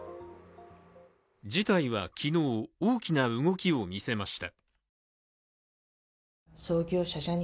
事態は昨日、大きな動きを見せました。